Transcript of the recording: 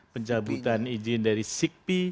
pencabutan izin dari sipi